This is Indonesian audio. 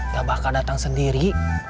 gak bakal datang sendiri